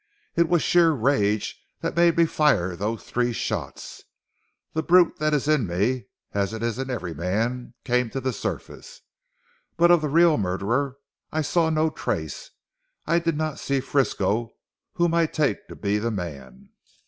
It was sheer rage that made me fire those three shots. The brute that is in me, as it is in every man, came to the surface. But of the real murderer I saw no trace. I did not see Frisco whom I take to be the man."